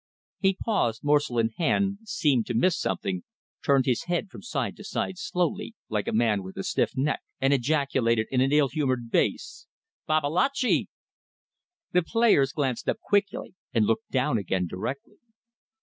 He paused, morsel in hand, seemed to miss something, turned his head from side to side, slowly, like a man with a stiff neck, and ejaculated in an ill humoured bass "Babalatchi!" The players glanced up quickly, and looked down again directly.